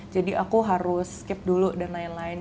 jadi aku harus skip dulu dan lain lain